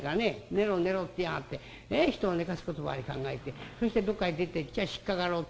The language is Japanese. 『寝ろ寝ろ』って言いやがって人を寝かすことばかり考えてそしてどっか出ていっちゃ引っ掛かろうってんだろう。